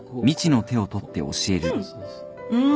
うん！